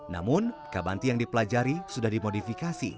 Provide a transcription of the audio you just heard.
namun kabanti yang dipelajari sudah dimodifikasi